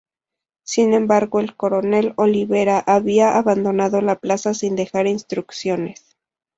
Sin embargo el coronel Olivera había abandonado la plaza sin dejar instrucciones.